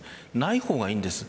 ない方が、いいんです。